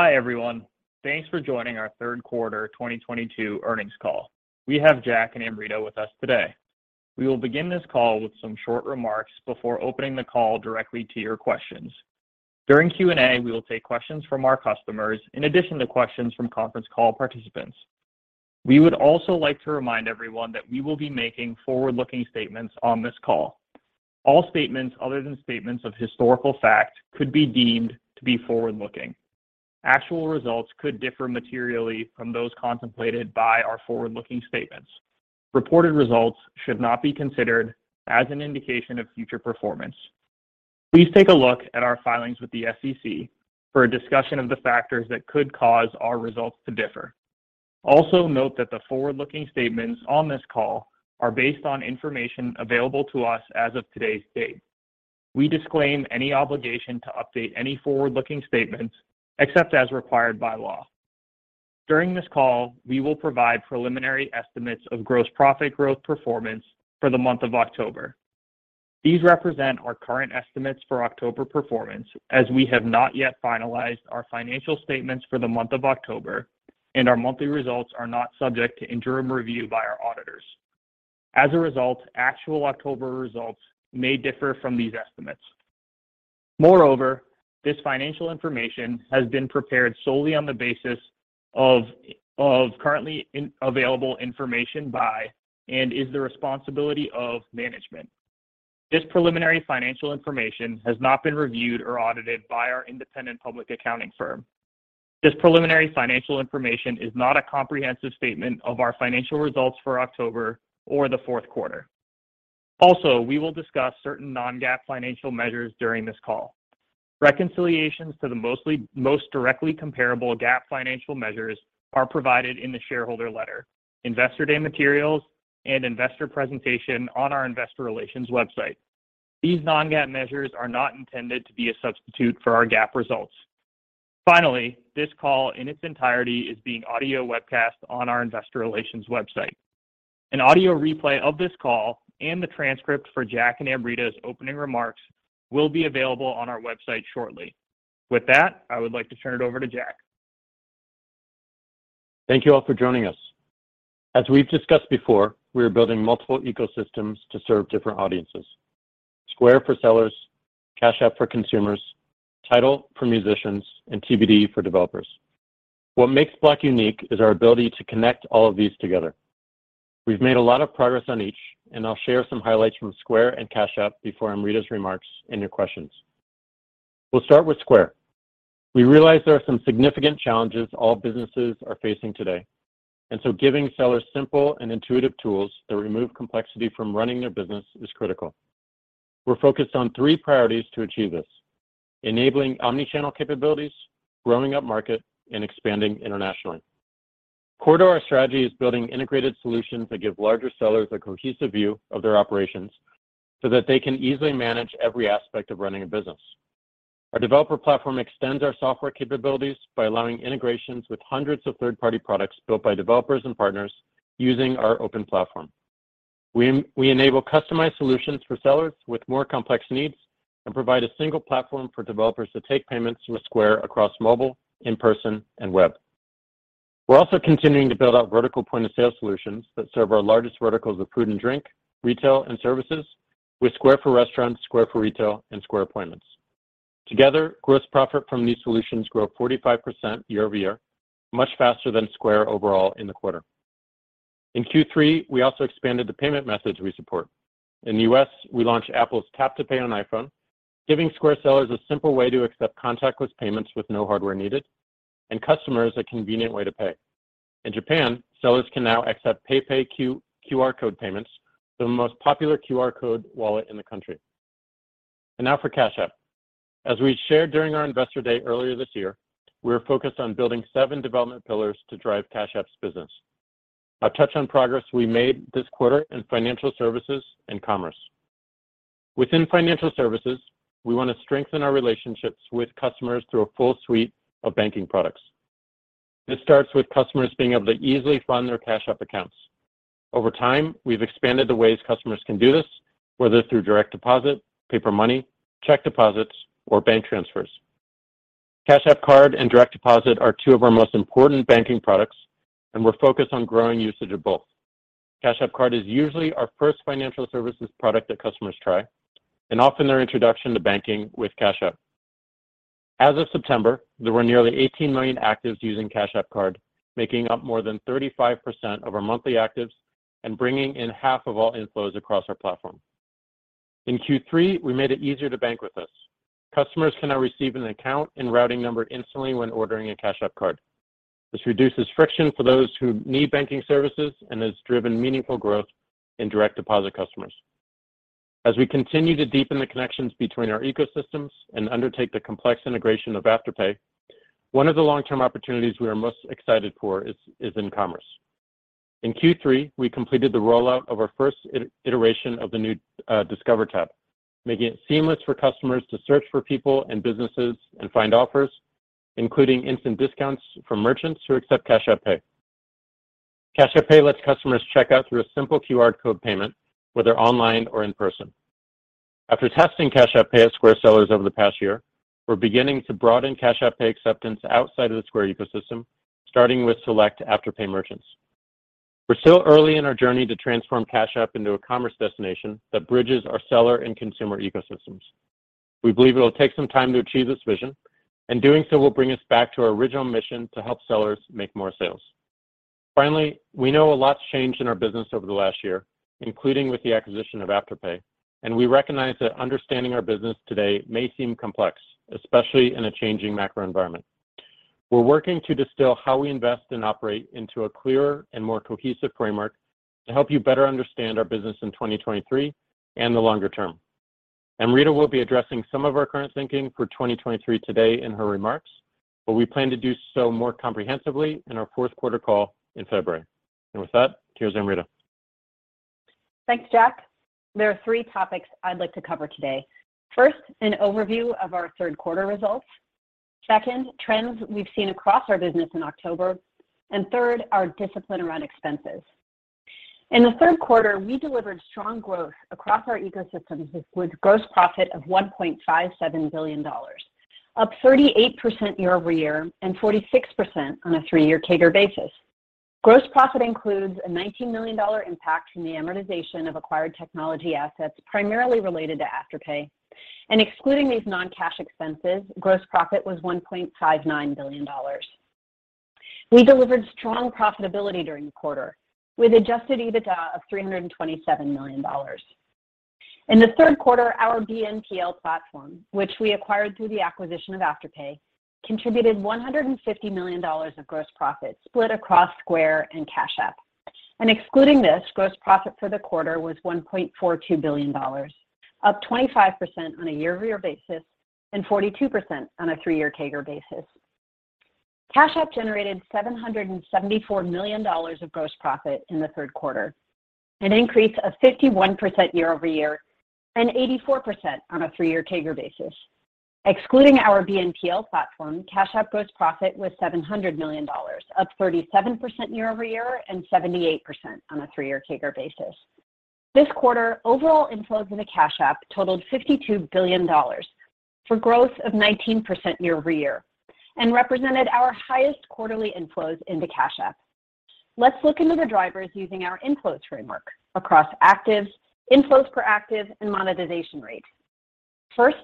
Hi, everyone. Thanks for joining our third quarter 2022 earnings call. We have Jack and Amrita with us today. We will begin this call with some short remarks before opening the call directly to your questions. During Q&A, we will take questions from our customers in addition to questions from conference call participants. We would also like to remind everyone that we will be making forward-looking statements on this call. All statements other than statements of historical fact could be deemed to be forward-looking. Actual results could differ materially from those contemplated by our forward-looking statements. Reported results should not be considered as an indication of future performance. Please take a look at our filings with the SEC for a discussion of the factors that could cause our results to differ. Note that the forward-looking statements on this call are based on information available to us as of today's date. We disclaim any obligation to update any forward-looking statements except as required by law. During this call, we will provide preliminary estimates of gross profit growth performance for the month of October. These represent our current estimates for October performance, as we have not yet finalized our financial statements for the month of October, and our monthly results are not subject to interim review by our auditors. As a result, actual October results may differ from these estimates. Moreover, this financial information has been prepared solely on the basis of currently available information and is the responsibility of management. This preliminary financial information has not been reviewed or audited by our independent public accounting firm. This preliminary financial information is not a comprehensive statement of our financial results for October or the fourth quarter. Also, we will discuss certain non-GAAP financial measures during this call. Reconciliations to the most directly comparable GAAP financial measures are provided in the shareholder letter, Investor Day materials, and investor presentation on our investor relations website. These non-GAAP measures are not intended to be a substitute for our GAAP results. Finally, this call in its entirety is being audio webcast on our investor relations website. An audio replay of this call and the transcript for Jack and Amrita's opening remarks will be available on our website shortly. With that, I would like to turn it over to Jack. Thank you all for joining us. As we've discussed before, we are building multiple ecosystems to serve different audiences, Square for sellers, Cash App for consumers, TIDAL for musicians, and TBD for developers. What makes Block unique is our ability to connect all of these together. We've made a lot of progress on each, and I'll share some highlights from Square and Cash App before Amrita's remarks and your questions. We'll start with Square. We realize there are some significant challenges all businesses are facing today, and so giving sellers simple and intuitive tools that remove complexity from running their business is critical. We're focused on three priorities to achieve this: enabling omni-channel capabilities, growing upmarket, and expanding internationally. Core to our strategy is building integrated solutions that give larger sellers a cohesive view of their operations so that they can easily manage every aspect of running a business. Our developer platform extends our software capabilities by allowing integrations with hundreds of third-party products built by developers and partners using our open platform. We enable customized solutions for sellers with more complex needs and provide a single platform for developers to take payments from Square across mobile, in-person, and web. We're also continuing to build out vertical point-of-sale solutions that serve our largest verticals of food and drink, retail, and services with Square for Restaurants, Square for Retail, and Square Appointments. Together, gross profit from these solutions grew 45% year-over-year, much faster than Square overall in the quarter. In Q3, we also expanded the payment methods we support. In the U.S., we launched Apple's Tap to Pay on iPhone, giving Square sellers a simple way to accept contactless payments with no hardware needed, and customers a convenient way to pay. In Japan, sellers can now accept PayPay QR code payments, the most popular QR code wallet in the country. Now for Cash App. As we shared during our Investor Day earlier this year, we are focused on building seven development pillars to drive Cash App's business. I'll touch on progress we made this quarter in financial services and commerce. Within financial services, we want to strengthen our relationships with customers through a full suite of banking products. This starts with customers being able to easily fund their Cash App accounts. Over time, we've expanded the ways customers can do this, whether through direct deposit, paper money, check deposits, or bank transfers. Cash App Card and Direct Deposit are two of our most important banking products, and we're focused on growing usage of both. Cash App Card is usually our first financial services product that customers try and often their introduction to banking with Cash App. As of September, there were nearly 18 million actives using Cash App Card, making up more than 35% of our monthly actives and bringing in half of all inflows across our platform. In Q3, we made it easier to bank with us. Customers can now receive an account and routing number instantly when ordering a Cash App Card. This reduces friction for those who need banking services and has driven meaningful growth in direct deposit customers. As we continue to deepen the connections between our ecosystems and undertake the complex integration of Afterpay, one of the long-term opportunities we are most excited for is in commerce. In Q3, we completed the rollout of our first iteration of the new Discover tab, making it seamless for customers to search for people and businesses and find offers, including instant discounts from merchants who accept Cash App Pay. Cash App Pay lets customers check out through a simple QR code payment, whether online or in person. After testing Cash App Pay at Square sellers over the past year, we're beginning to broaden Cash App Pay acceptance outside of the Square ecosystem, starting with select Afterpay merchants. We're still early in our journey to transform Cash App into a commerce destination that bridges our seller and consumer ecosystems. We believe it'll take some time to achieve this vision, and doing so will bring us back to our original mission to help sellers make more sales. Finally, we know a lot's changed in our business over the last year, including with the acquisition of Afterpay, and we recognize that understanding our business today may seem complex, especially in a changing macro environment. We're working to distill how we invest and operate into a clearer and more cohesive framework to help you better understand our business in 2023 and the longer term. Amrita will be addressing some of our current thinking for 2023 today in her remarks, but we plan to do so more comprehensively in our fourth quarter call in February. With that, here's Amrita. Thanks, Jack. There are three topics I'd like to cover today. First, an overview of our third quarter results. Second, trends we've seen across our business in October, and third, our discipline around expenses. In the third quarter, we delivered strong growth across our ecosystems with gross profit of $1.57 billion, up 38% year-over-year and 46% on a 3-year CAGR basis. Gross profit includes a $19 million impact from the amortization of acquired technology assets primarily related to Afterpay. Excluding these non-cash expenses, gross profit was $1.59 billion. We delivered strong profitability during the quarter with adjusted EBITDA of $327 million. In the third quarter, our BNPL platform, which we acquired through the acquisition of Afterpay, contributed $150 million of gross profit split across Square and Cash App. Excluding this, gross profit for the quarter was $1.42 billion, up 25% on a year-over-year basis and 42% on a three-year CAGR basis. Cash App generated $774 million of gross profit in the third quarter, an increase of 51% year-over-year and 84% on a three-year CAGR basis. Excluding our BNPL platform, Cash App gross profit was $700 million, up 37% year-over-year and 78% on a three-year CAGR basis. This quarter, overall inflows into Cash App totaled $52 billion, for growth of 19% year-over-year, and represented our highest quarterly inflows into Cash App. Let's look into the drivers using our inflows framework across actives, inflows per active, and monetization rates. First,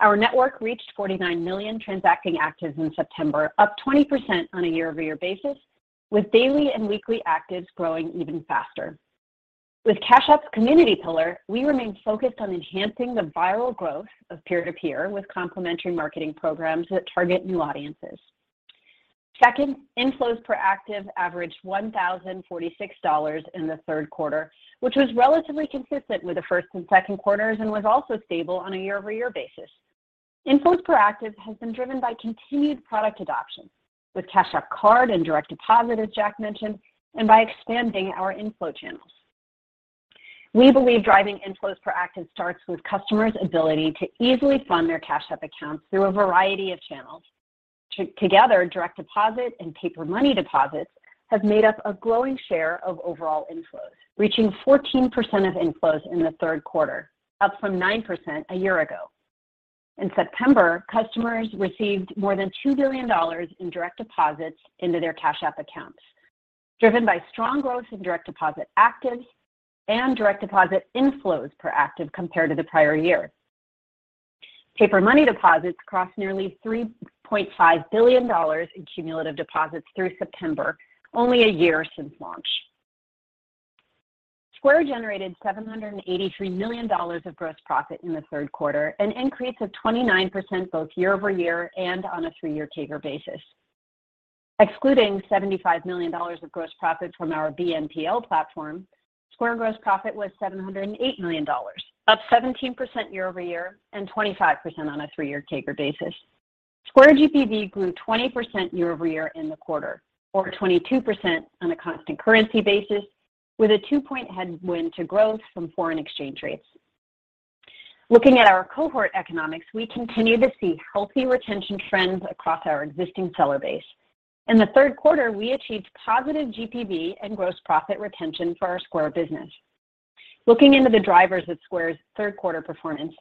our network reached 49 million transacting actives in September, up 20% on a year-over-year basis, with daily and weekly actives growing even faster. With Cash App's Community pillar, we remain focused on enhancing the viral growth of peer-to-peer with complementary marketing programs that target new audiences. Second, inflows per active averaged $1,046 in the third quarter, which was relatively consistent with the first and second quarters and was also stable on a year-over-year basis. Inflows per active has been driven by continued product adoption with Cash App Card and direct deposit, as Jack mentioned, and by expanding our inflow channels. We believe driving inflows per active starts with customers' ability to easily fund their Cash App accounts through a variety of channels. Together, direct deposit and paper money deposits have made up a growing share of overall inflows, reaching 14% of inflows in the third quarter, up from 9% a year ago. In September, customers received more than $2 billion in direct deposits into their Cash App accounts, driven by strong growth in direct deposit actives and direct deposit inflows per active compared to the prior year. Paper money deposits crossed nearly $3.5 billion in cumulative deposits through September, only a year since launch. Square generated $783 million of gross profit in the third quarter, an increase of 29% both year-over-year and on a 3-year CAGR basis. Excluding $75 million of gross profit from our BNPL platform, Square gross profit was $708 million, up 17% year-over-year and 25% on a 3-year CAGR basis. Square GPV grew 20% year-over-year in the quarter, or 22% on a constant currency basis, with a 2-point headwind to growth from foreign exchange rates. Looking at our cohort economics, we continue to see healthy retention trends across our existing seller base. In the third quarter, we achieved positive GPV and gross profit retention for our Square business. Looking into the drivers of Square's third quarter performance,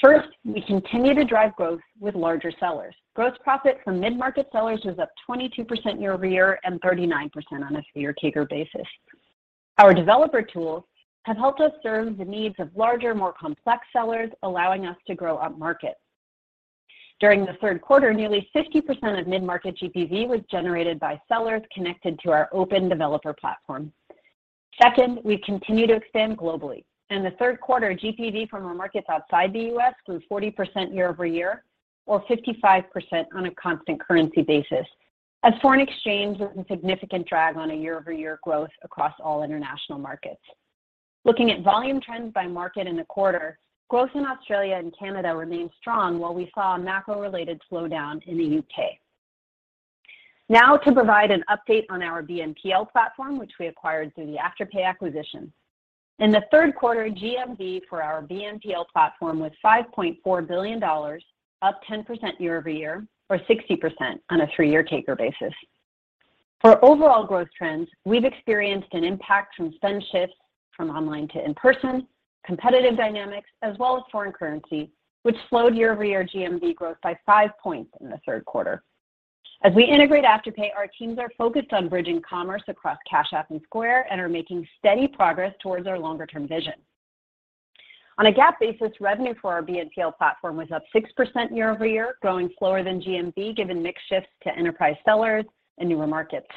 first, we continue to drive growth with larger sellers. Gross profit from mid-market sellers was up 22% year-over-year and 39% on a 3-year CAGR basis. Our developer tools have helped us serve the needs of larger, more complex sellers, allowing us to grow up-market. During the third quarter, nearly 50% of mid-market GPV was generated by sellers connected to our open developer platform. Second, we continue to expand globally. In the third quarter, GPV from our markets outside the U.S. grew 40% year-over-year or 55% on a constant currency basis as foreign exchange was a significant drag on a year-over-year growth across all international markets. Looking at volume trends by market in the quarter, growth in Australia and Canada remained strong while we saw a macro-related slowdown in the U.K.. Now to provide an update on our BNPL platform, which we acquired through the Afterpay acquisition. In the third quarter, GMV for our BNPL platform was $5.4 billion, up 10% year-over-year or 60% on a 3-year CAGR basis. For overall growth trends, we've experienced an impact from spend shifts from online to in-person, competitive dynamics, as well as foreign currency, which slowed year-over-year GMV growth by 5 points in the third quarter. As we integrate Afterpay, our teams are focused on bridging commerce across Cash App and Square and are making steady progress towards our longer-term vision. On a GAAP basis, revenue for our BNPL platform was up 6% year-over-year, growing slower than GMV, given mix shifts to enterprise sellers and newer markets.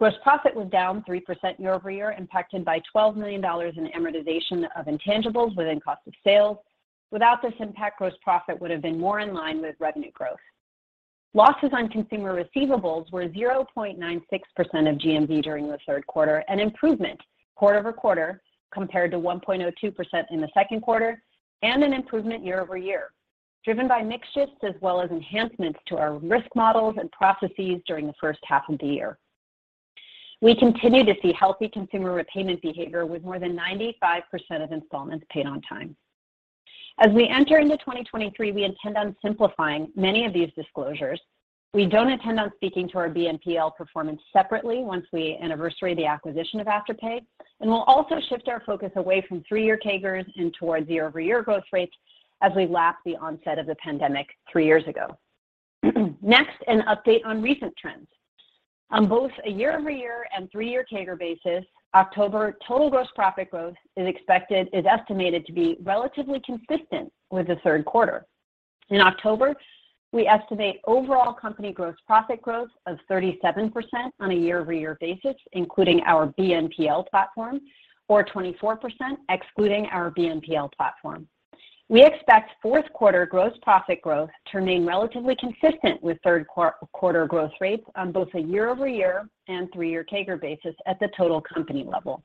Gross profit was down 3% year-over-year, impacted by $12 million in amortization of intangibles within cost of sales. Without this impact, gross profit would have been more in line with revenue growth. Losses on consumer receivables were 0.96% of GMV during the third quarter, an improvement quarter-over-quarter compared to 1.02% in the second quarter and an improvement year-over-year, driven by mix shifts as well as enhancements to our risk models and processes during the first half of the year. We continue to see healthy consumer repayment behavior with more than 95% of installments paid on time. As we enter into 2023, we intend on simplifying many of these disclosures. We don't intend on speaking to our BNPL performance separately once we anniversary the acquisition of Afterpay, and we'll also shift our focus away from 3-year CAGRs and towards year-over-year growth rates as we lap the onset of the pandemic three years ago. Next, an update on recent trends. On both a year-over-year and 3-year CAGR basis, October total gross profit growth is estimated to be relatively consistent with the third quarter. In October, we estimate overall company gross profit growth of 37% on a year-over-year basis, including our BNPL platform, or 24% excluding our BNPL platform. We expect fourth quarter gross profit growth to remain relatively consistent with third quarter growth rates on both a year-over-year and 3-year CAGR basis at the total company level.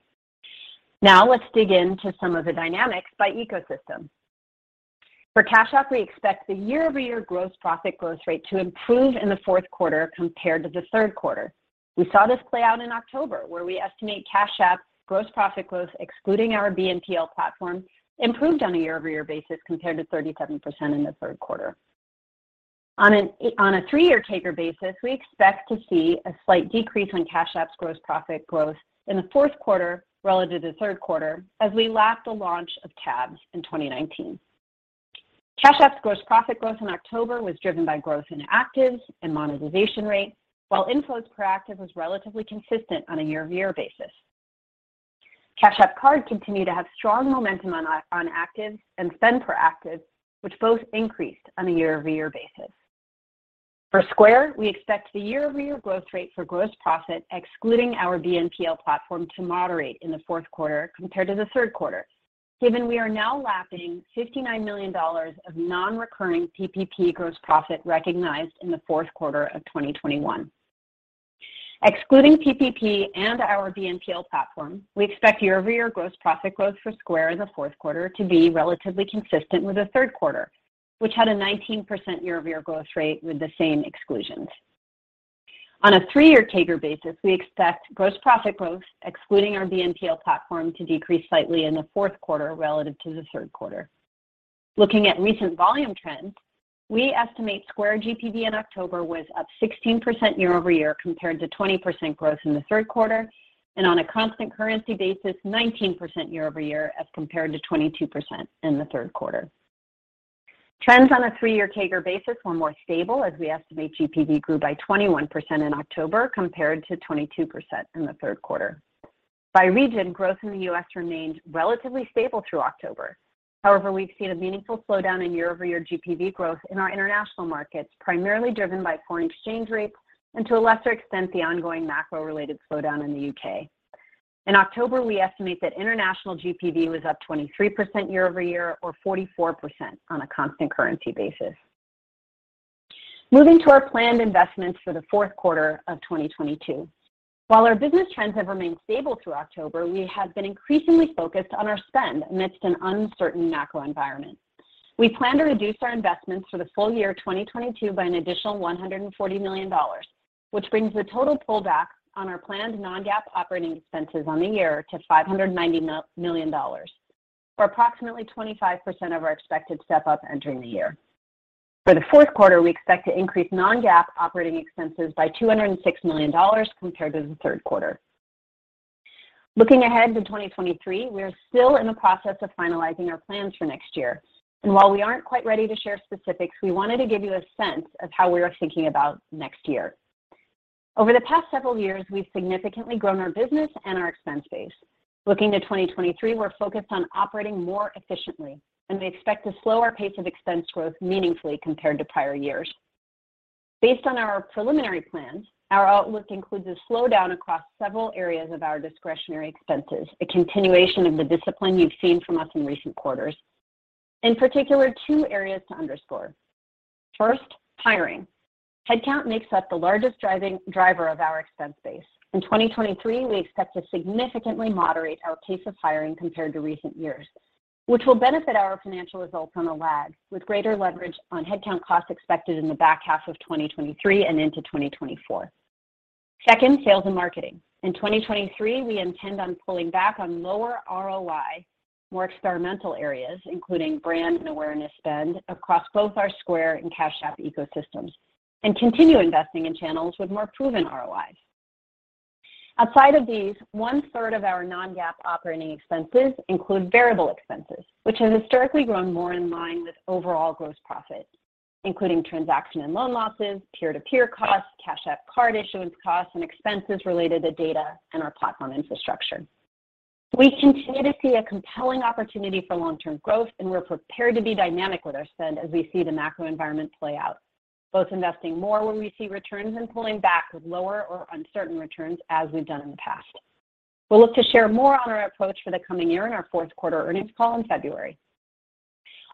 Now let's dig into some of the dynamics by ecosystem. For Cash App, we expect the year-over-year gross profit growth rate to improve in the fourth quarter compared to the third quarter. We saw this play out in October, where we estimate Cash App gross profit growth excluding our BNPL platform improved on a year-over-year basis compared to 37% in the third quarter. On a three-year CAGR basis, we expect to see a slight decrease on Cash App's gross profit growth in the fourth quarter relative to the third quarter as we lap the launch of Tabs in 2019. Cash App's gross profit growth in October was driven by growth in actives and monetization rates, while inflows per active was relatively consistent on a year-over-year basis. Cash App Card continued to have strong momentum on actives and spend per active, which both increased on a year-over-year basis. For Square, we expect the year-over-year growth rate for gross profit excluding our BNPL platform to moderate in the fourth quarter compared to the third quarter, given we are now lapping $59 million of non-recurring PPP gross profit recognized in the fourth quarter of 2021. Excluding PPP and our BNPL platform, we expect year-over-year gross profit growth for Square in the fourth quarter to be relatively consistent with the third quarter, which had a 19% year-over-year growth rate with the same exclusions. On a three-year CAGR basis, we expect gross profit growth excluding our BNPL platform to decrease slightly in the fourth quarter relative to the third quarter. Looking at recent volume trends, we estimate Square GPV in October was up 16% year-over-year compared to 20% growth in the third quarter, and on a constant currency basis, 19% year-over-year as compared to 22% in the third quarter. Trends on a three-year CAGR basis were more stable as we estimate GPV grew by 21% in October compared to 22% in the third quarter. By region, growth in the U.S. remained relatively stable through October. However, we've seen a meaningful slowdown in year-over-year GPV growth in our international markets, primarily driven by foreign exchange rates and to a lesser extent, the ongoing macro-related slowdown in the U.K.. In October, we estimate that international GPV was up 23% year-over-year or 44% on a constant currency basis. Moving to our planned investments for the fourth quarter of 2022. While our business trends have remained stable through October, we have been increasingly focused on our spend amidst an uncertain macro environment. We plan to reduce our investments for the full year 2022 by an additional $140 million, which brings the total pullback on our planned non-GAAP operating expenses on the year to $590 million, or approximately 25% of our expected step-up entering the year. For the fourth quarter, we expect to increase non-GAAP operating expenses by $206 million compared to the third quarter. Looking ahead to 2023, we are still in the process of finalizing our plans for next year. While we aren't quite ready to share specifics, we wanted to give you a sense of how we are thinking about next year. Over the past several years, we've significantly grown our business and our expense base. Looking to 2023, we're focused on operating more efficiently, and we expect to slow our pace of expense growth meaningfully compared to prior years. Based on our preliminary plans, our outlook includes a slowdown across several areas of our discretionary expenses, a continuation of the discipline you've seen from us in recent quarters. In particular, two areas to underscore. First, hiring. Headcount makes up the largest driver of our expense base. In 2023, we expect to significantly moderate our pace of hiring compared to recent years, which will benefit our financial results on a lag, with greater leverage on headcount costs expected in the back half of 2023 and into 2024. Second, sales and marketing. In 2023, we intend on pulling back on lower ROI, more experimental areas, including brand and awareness spend across both our Square and Cash App ecosystems, and continue investing in channels with more proven ROIs. Outside of these, one-third of our non-GAAP operating expenses include variable expenses, which have historically grown more in line with overall gross profit, including transaction and loan losses, peer-to-peer costs, Cash App card issuance costs, and expenses related to data and our platform infrastructure. We continue to see a compelling opportunity for long-term growth, and we're prepared to be dynamic with our spend as we see the macro environment play out, both investing more when we see returns and pulling back with lower or uncertain returns as we've done in the past. We'll look to share more on our approach for the coming year in our fourth quarter earnings call in February.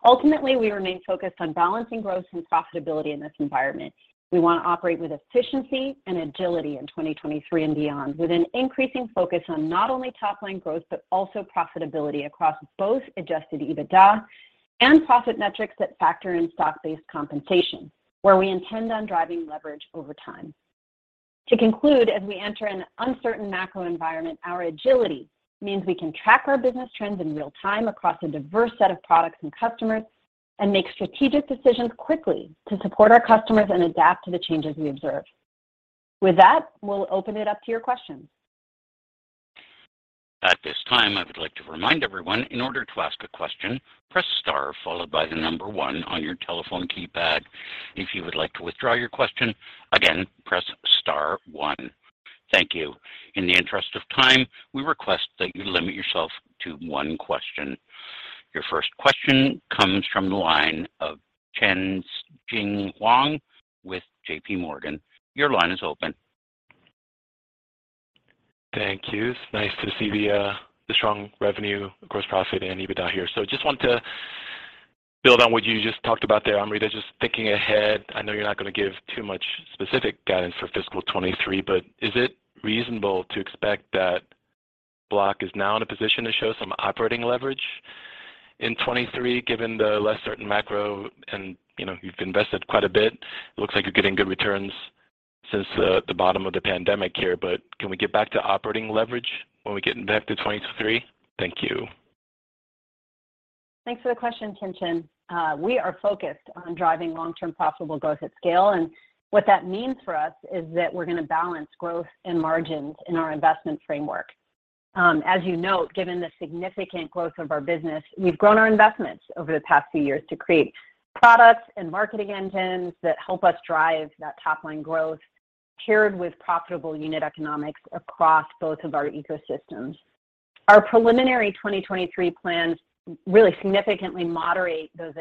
Ultimately, we remain focused on balancing growth and profitability in this environment. We want to operate with efficiency and agility in 2023 and beyond, with an increasing focus on not only top line growth, but also profitability across both adjusted EBITDA and profit metrics that factor in stock-based compensation, where we intend on driving leverage over time. To conclude, as we enter an uncertain macro environment, our agility means we can track our business trends in real time across a diverse set of products and customers and make strategic decisions quickly to support our customers and adapt to the changes we observe. With that, we'll open it up to your questions. At this time, I would like to remind everyone, in order to ask a question, press star followed by the number one on your telephone keypad. If you would like to withdraw your question, again, press star one. Thank you. In the interest of time, we request that you limit yourself to one question. Your first question comes from the line of Tien-Tsin Huang with J.P. Morgan. Your line is open. Thank you. It's nice to see the strong revenue, gross profit, and EBITDA here. Just want to build on what you just talked about there, Amrita. Just thinking ahead, I know you're not going to give too much specific guidance for fiscal 2023, but is it reasonable to expect that Block is now in a position to show some operating leverage in 2023, given the less certain macro and, you know, you've invested quite a bit. It looks like you're getting good returns since the bottom of the pandemic here, but can we get back to operating leverage when we get back to 2023? Thank you. Thanks for the question, Tien-Tsin. We are focused on driving long-term profitable growth at scale, and what that means for us is that we're going to balance growth and margins in our investment framework. As you note, given the significant growth of our business, we've grown our investments over the past few years to create products and marketing engines that help us drive that top-line growth paired with profitable unit economics across both of our ecosystems. Our preliminary 2023 plans really significantly moderate that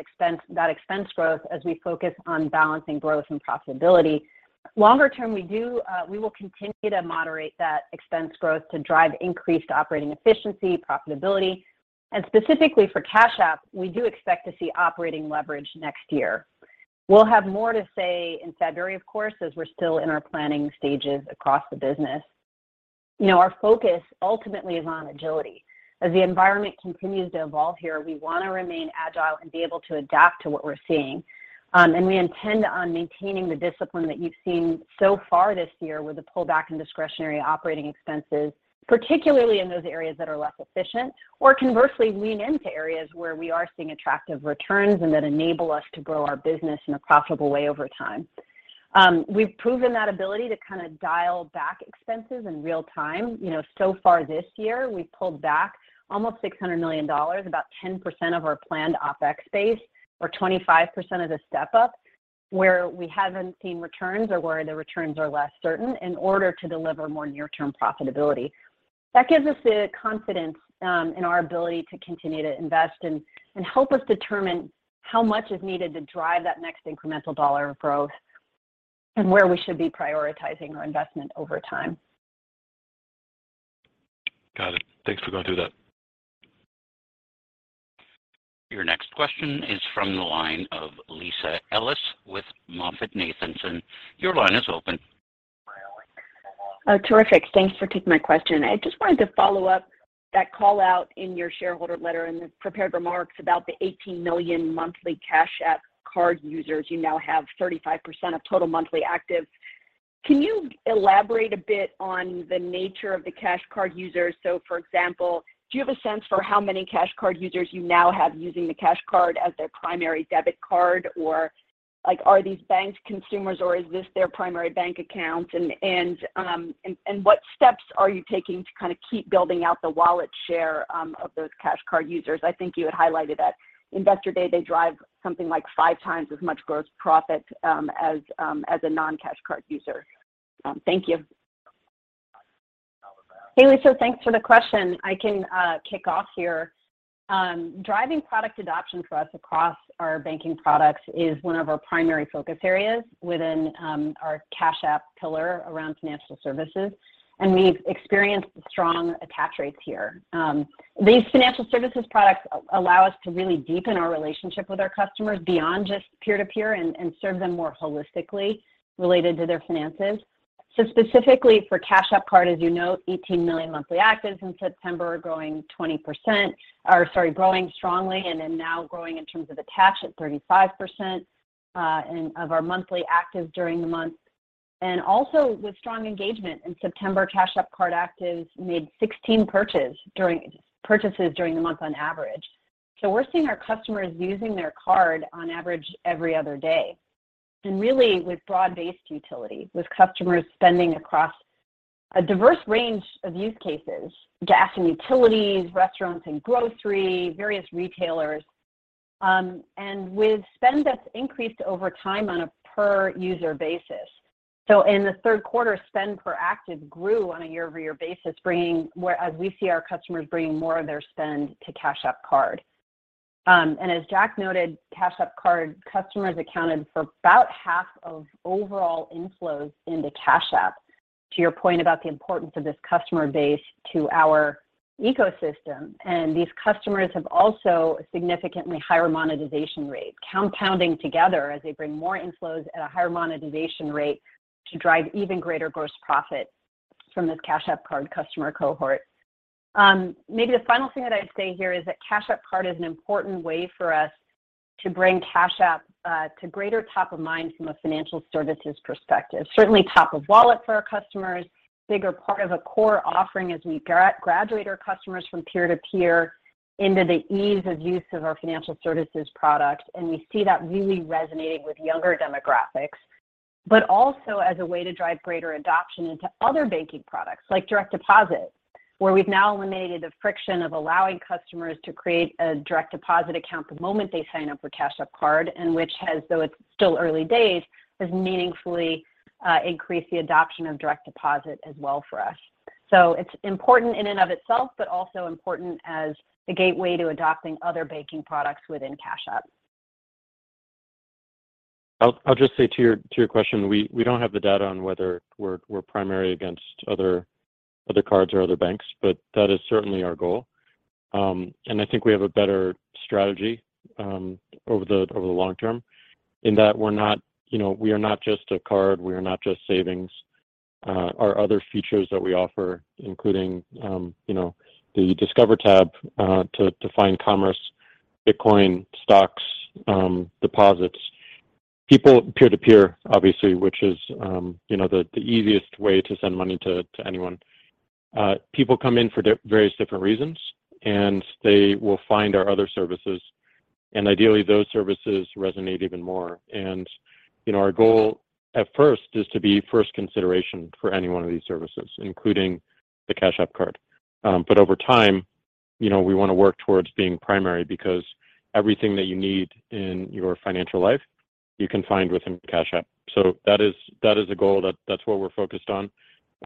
expense growth as we focus on balancing growth and profitability. Longer term, we do, we will continue to moderate that expense growth to drive increased operating efficiency, profitability. Specifically for Cash App, we do expect to see operating leverage next year. We'll have more to say in February, of course, as we're still in our planning stages across the business. You know, our focus ultimately is on agility. As the environment continues to evolve here, we want to remain agile and be able to adapt to what we're seeing. We intend on maintaining the discipline that you've seen so far this year with a pullback in discretionary operating expenses, particularly in those areas that are less efficient, or conversely, lean into areas where we are seeing attractive returns and that enable us to grow our business in a profitable way over time. We've proven that ability to kind of dial back expenses in real time. You know, so far this year, we pulled back almost $600 million, about 10% of our planned OpEx base or 25% of the step-up where we haven't seen returns or where the returns are less certain in order to deliver more near term profitability. That gives us the confidence in our ability to continue to invest and help us determine how much is needed to drive that next incremental dollar of growth and where we should be prioritizing our investment over time. Got it. Thanks for going through that. Your next question is from the line of Lisa Ellis with MoffettNathanson. Your line is open. Oh, terrific. Thanks for taking my question. I just wanted to follow up that call out in your shareholder letter and the prepared remarks about the 18 million monthly Cash App Card users. You now have 35% of total monthly active. Can you elaborate a bit on the nature of the Cash Card users? So for example, do you have a sense for how many Cash Card users you now have using the Cash Card as their primary debit card? Or like, are these banked consumers or is this their primary bank account? What steps are you taking to kind of keep building out the wallet share of those Cash Card users? I think you had highlighted at Investor Day they drive something like 5 times as much gross profit as a non-Cash Card user. Thank you. Hey, Lisa. Thanks for the question. I can kick off here. Driving product adoption for us across our banking products is one of our primary focus areas within our Cash App pillar around financial services, and we've experienced strong attach rates here. These financial services products allow us to really deepen our relationship with our customers beyond just peer-to-peer and serve them more holistically related to their finances. Specifically for Cash App Card, as you note, 18 million monthly actives in September, growing 20%. Or sorry, growing strongly and then now growing in terms of attached at 35% of our monthly actives during the month. With strong engagement in September, Cash App Card actives made 16 purchases during the month on average. We're seeing our customers using their card on average every other day. Really with broad-based utility, with customers spending across a diverse range of use cases, gas and utilities, restaurants and grocery, various retailers, and with spend that's increased over time on a per user basis. In the third quarter, spend per active grew on a year-over-year basis, bringing, whereas we see our customers bringing more of their spend to Cash App Card. As Jack noted, Cash App Card customers accounted for about half of overall inflows into Cash App, to your point about the importance of this customer base to our ecosystem. These customers have also a significantly higher monetization rate compounding together as they bring more inflows at a higher monetization rate to drive even greater gross profit from this Cash App Card customer cohort. Maybe the final thing that I'd say here is that Cash App Card is an important way for us to bring Cash App to greater top of mind from a financial services perspective. Certainly top of wallet for our customers, bigger part of a core offering as we graduate our customers from peer-to-peer into the ease of use of our financial services products. We see that really resonating with younger demographics, but also as a way to drive greater adoption into other banking products like Direct Deposit, where we've now eliminated the friction of allowing customers to create a Direct Deposit account the moment they sign up for Cash App Card, and which has, though it's still early days, meaningfully increased the adoption of Direct Deposit as well for us. It's important in and of itself, but also important as the gateway to adopting other banking products within Cash App. I'll just say to your question, we don't have the data on whether we're primary against other cards or other banks, but that is certainly our goal. I think we have a better strategy over the long term in that we're not, you know, we are not just a card, we are not just savings, our other features that we offer, including, you know, the Discover tab to find commerce, Bitcoin, stocks, deposits. People peer-to-peer obviously, which is, you know, the easiest way to send money to anyone. People come in for various different reasons, and they will find our other services, and ideally those services resonate even more. You know, our goal at first is to be first consideration for any one of these services, including the Cash App Card. But over time, you know, we wanna work towards being primary because everything that you need in your financial life, you can find within Cash App. That is a goal. That's what we're focused on,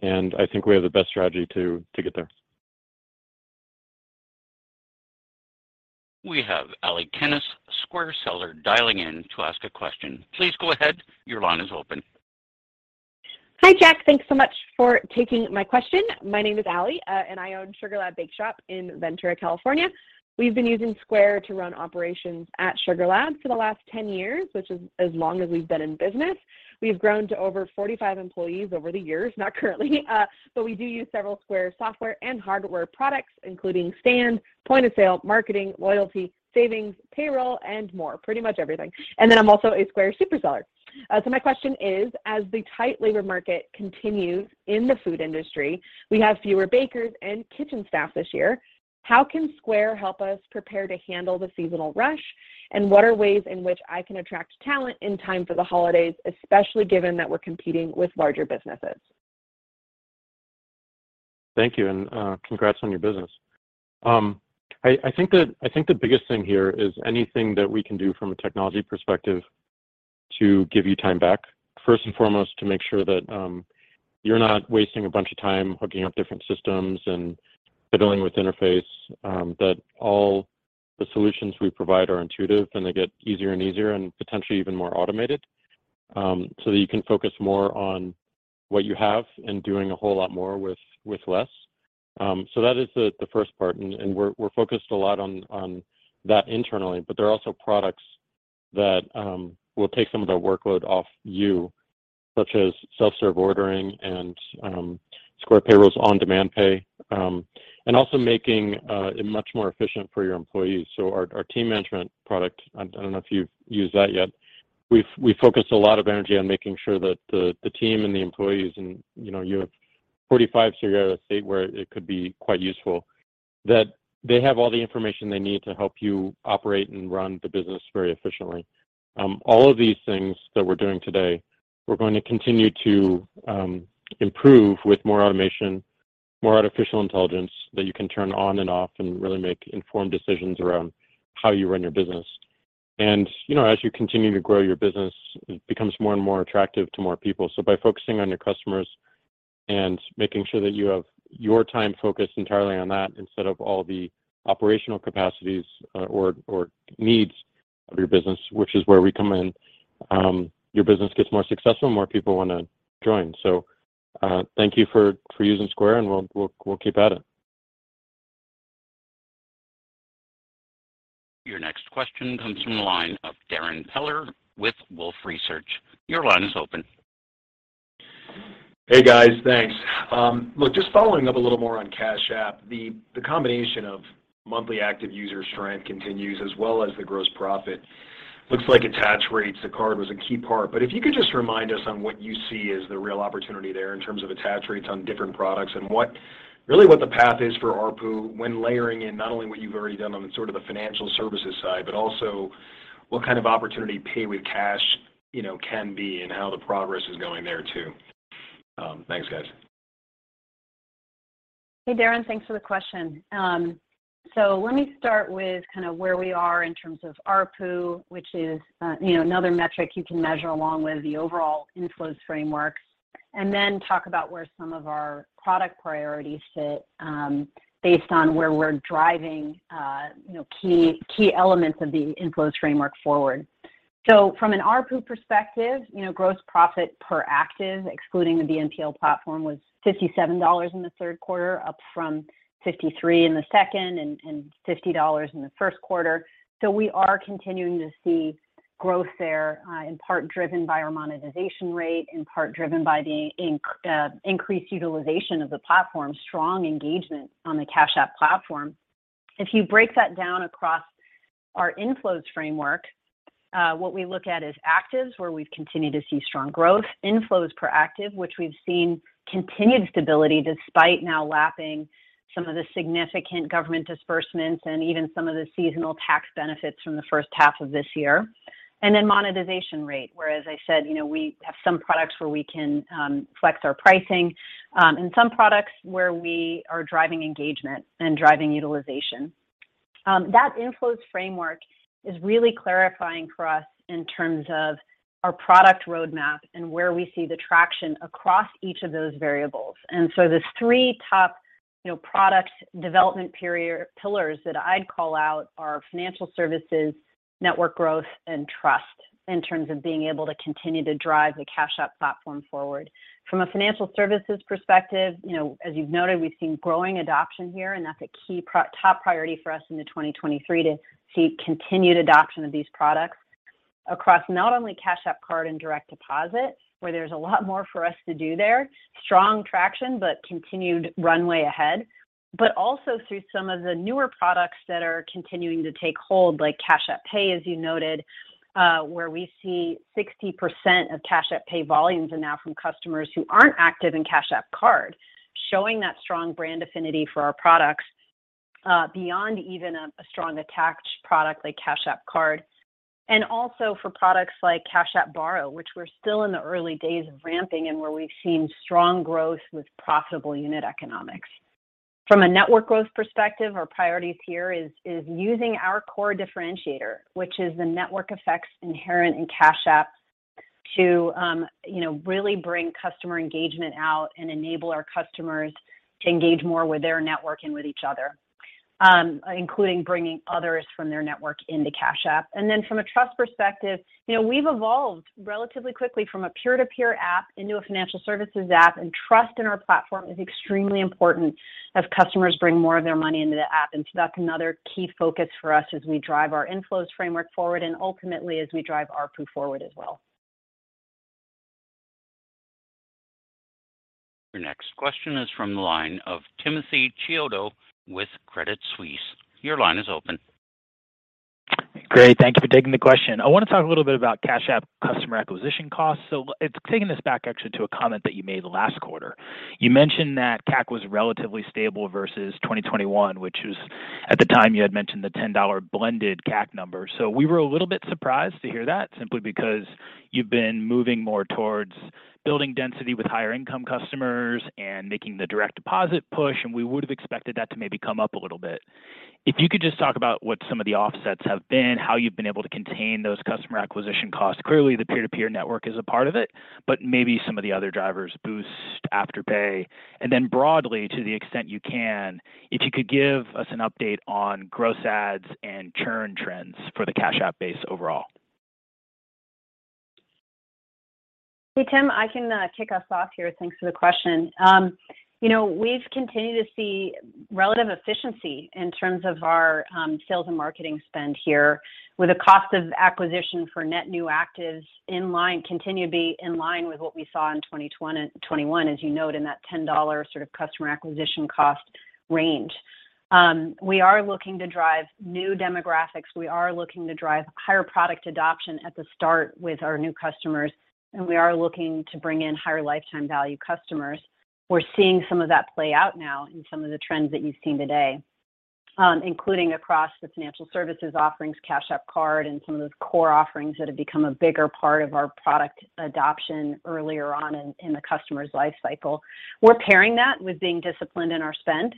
and I think we have the best strategy to get there. We have Ally Kenis, Square Seller, dialing in to ask a question. Please go ahead. Your line is open. Hi, Jack. Thanks so much for taking my question. My name is Ally, and I own Sugar Lab Bake Shop in Ventura, California. We've been using Square to run operations at Sugar Lab for the last 10 years, which is as long as we've been in business. We've grown to over 45 employees over the years, not currently. We do use several Square software and hardware products, including Stand, Point of Sale, Marketing, Loyalty, Savings, Payroll, and more, pretty much everything. I'm also a Square superseller. My question is, as the tight labor market continues in the food industry, we have fewer bakers and kitchen staff this year. How can Square help us prepare to handle the seasonal rush? What are ways in which I can attract talent in time for the holidays, especially given that we're competing with larger businesses? Thank you, and congrats on your business. I think the biggest thing here is anything that we can do from a technology perspective to give you time back, first and foremost, to make sure that you're not wasting a bunch of time hooking up different systems and fiddling with interface, that all the solutions we provide are intuitive, and they get easier and easier and potentially even more automated, so that you can focus more on what you have and doing a whole lot more with less. That is the first part, and we're focused a lot on that internally, but there are also products that will take some of the workload off you, such as self-serve ordering and Square Payroll's on-demand pay, and also making it much more efficient for your employees. Our team management product, I don't know if you've used that yet. We focus a lot of energy on making sure that the team and the employees and, you know, you have 45 so you're at a state where it could be quite useful, that they have all the information they need to help you operate and run the business very efficiently. All of these things that we're doing today, we're going to continue to improve with more automation, more artificial intelligence that you can turn on and off and really make informed decisions around how you run your business. You know, as you continue to grow your business, it becomes more and more attractive to more people. By focusing on your customers and making sure that you have your time focused entirely on that instead of all the operational capacities, or needs of your business, which is where we come in, your business gets more successful, more people wanna join. Thank you for using Square, and we'll keep at it. Your next question comes from the line of Darrin Peller with Wolfe Research. Your line is open. Hey guys. Thanks. Look, just following up a little more on Cash App. The combination of monthly active user strength continues as well as the gross profit. Looks like attach rates to the Cash App Card was a key part. If you could just remind us on what you see as the real opportunity there in terms of attach rates on different products and really what the path is for ARPU when layering in not only what you've already done on sort of the financial services side, but also what kind of opportunity Cash App Pay, you know, can be and how the progress is going there too. Thanks, guys. Hey, Darrin. Thanks for the question. Let me start with kinda where we are in terms of ARPU, which is, you know, another metric you can measure along with the overall inflows framework, and then talk about where some of our product priorities sit, based on where we're driving, you know, key elements of the inflows framework forward. From an ARPU perspective, you know, gross profit per active, excluding the BNPL platform, was $57 in the third quarter, up from $53 in the second and $50 in the first quarter. We are continuing to see growth there, in part driven by our monetization rate, in part driven by the increased utilization of the platform, strong engagement on the Cash App platform. If you break that down across our inflows framework, what we look at is actives, where we've continued to see strong growth. Inflows per active, which we've seen continued stability despite now lapping some of the significant government disbursements and even some of the seasonal tax benefits from the first half of this year. Then monetization rate, where, as I said, you know, we have some products where we can flex our pricing, and some products where we are driving engagement and driving utilization. That inflows framework is really clarifying for us in terms of our product roadmap and where we see the traction across each of those variables. There's three top, you know, product development pillars that I'd call out are financial services, network growth, and trust in terms of being able to continue to drive the Cash App platform forward. From a financial services perspective, you know, as you've noted, we've seen growing adoption here, and that's a key top priority for us into 2023, to see continued adoption of these products across not only Cash App Card and Direct Deposit, where there's a lot more for us to do there, strong traction but continued runway ahead. Also through some of the newer products that are continuing to take hold, like Cash App Pay, as you noted, where we see 60% of Cash App Pay volumes are now from customers who aren't active in Cash App Card, showing that strong brand affinity for our products, beyond even a strong attached product like Cash App Card. Also for products like Cash App Borrow, which we're still in the early days of ramping and where we've seen strong growth with profitable unit economics. From a network growth perspective, our priorities here is using our core differentiator, which is the network effects inherent in Cash App to, you know, really bring customer engagement out and enable our customers to engage more with their network and with each other. Including bringing others from their network into Cash App. Then from a trust perspective, you know, we've evolved relatively quickly from a peer-to-peer app into a financial services app, and trust in our platform is extremely important as customers bring more of their money into the app. So that's another key focus for us as we drive our inflows framework forward, and ultimately, as we drive ARPU forward as well. Your next question is from the line of Timothy Chiodo with Credit Suisse. Your line is open. Great. Thank you for taking the question. I wanna talk a little bit about Cash App customer acquisition costs. It's taking this back actually to a comment that you made last quarter. You mentioned that CAC was relatively stable versus 2021, which was, at the time, you had mentioned the $10 blended CAC number. We were a little bit surprised to hear that simply because you've been moving more towards building density with higher income customers and making the Direct Deposit push, and we would've expected that to maybe come up a little bit. If you could just talk about what some of the offsets have been, how you've been able to contain those customer acquisition costs. Clearly, the peer-to-peer network is a part of it, but maybe some of the other drivers, Boost, Afterpay. Broadly, to the extent you can, if you could give us an update on gross adds and churn trends for the Cash App base overall. Hey, Tim, I can kick us off here. Thanks for the question. You know, we've continued to see relative efficiency in terms of our sales and marketing spend here with the cost of acquisition for net new actives in line, continue to be in line with what we saw in 2021, as you note in that $10 sort of customer acquisition cost range. We are looking to drive new demographics. We are looking to drive higher product adoption at the start with our new customers, and we are looking to bring in higher lifetime value customers. We're seeing some of that play out now in some of the trends that you've seen today, including across the financial services offerings, Cash App Card and some of those core offerings that have become a bigger part of our product adoption earlier on in the customer's life cycle. We're pairing that with being disciplined in our spend.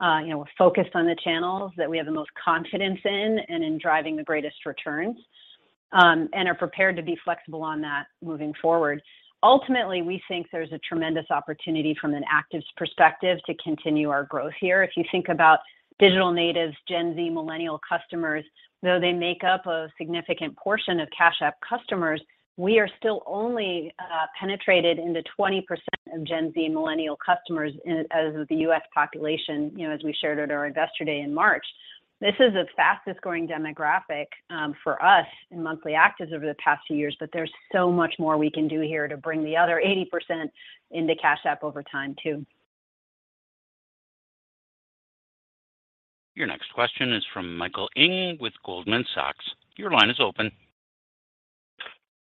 You know, we're focused on the channels that we have the most confidence in and in driving the greatest returns, and are prepared to be flexible on that moving forward. Ultimately, we think there's a tremendous opportunity from an actives perspective to continue our growth here. If you think about digital natives, Gen Z, millennial customers, though they make up a significant portion of Cash App customers, we are still only penetrated into 20% of Gen Z and millennial customers as the U.S. population, you know, as we shared at our Investor Day in March. This is the fastest-growing demographic for us in monthly actives over the past two years, but there's so much more we can do here to bring the other 80% into Cash App over time too. Your next question is from Michael Ng with Goldman Sachs. Your line is open.